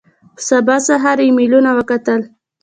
په سبا سهار ایمېلونه وکتل.